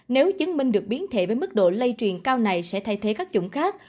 nếu chứng minh được biến thể với mức độ lây truyền cao này sẽ thay thế các chủng khác